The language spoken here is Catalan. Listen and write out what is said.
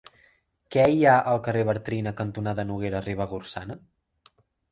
Què hi ha al carrer Bartrina cantonada Noguera Ribagorçana?